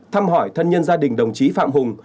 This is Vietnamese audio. thăm hỏi thân nhân gia đình đồng chí phạm hùng